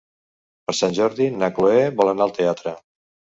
Per Sant Jordi na Chloé vol anar al teatre.